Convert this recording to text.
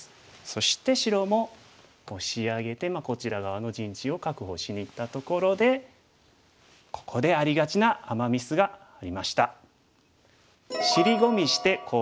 そして白もオシ上げてこちら側の陣地を確保しにいったところでここでありがちなアマ・ミスがありました。